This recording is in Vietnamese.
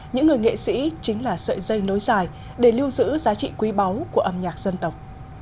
những người nghệ sĩ chính là sợi dây nối dài để lưu giữ giá trị quý báu của âm nhạc dân tộc